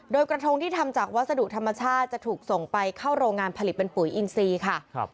โดยกระทงที่ทำจากวัสดุธรรมชาติจะถูกส่งไปเข้าโรงงานผลิตเป็นปุ๋ยอินซีค่ะ